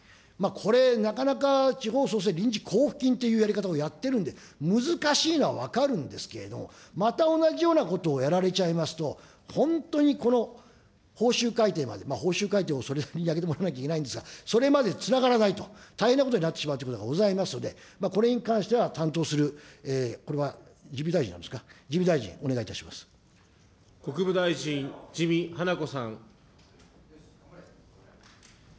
これなかなか地方創生臨時交付金というやり方をやってるんで、難しいのは分かるんですけれども、また同じようなことをやられちゃいますと、本当にこの報酬改定まで、報酬改定、それなりに上げてもらわなきゃいけないんですが、それまでつながらないと、大変なことになってしまうということがございますから、これに関しては担当する、これは自見大臣なんですか、自見大臣、国務大臣、自見はなこさん。